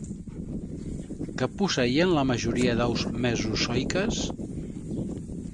Què posseïen la majoria d'aus mesozoiques?